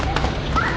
あっ！